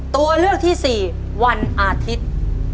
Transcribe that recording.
ตัวเลือกที่๔วันอาทิตย์